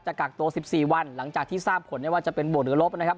กักตัว๑๔วันหลังจากที่ทราบผลได้ว่าจะเป็นบวกหรือลบนะครับ